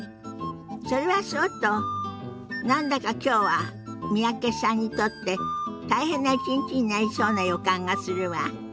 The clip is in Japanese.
それはそうと何だかきょうは三宅さんにとって大変な一日になりそうな予感がするわ。